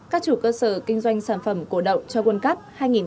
các chủ cơ sở kinh doanh sản phẩm cổ động cho quân cấp hai nghìn hai mươi hai